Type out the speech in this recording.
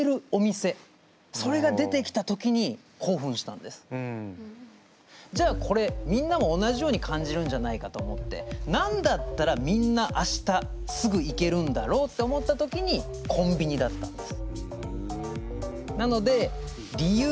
それが何かって言うとじゃあこれみんなも同じように感じるんじゃないかと思って何だったらみんなあしたすぐ行けるんだろうって思った時にコンビニだったんです。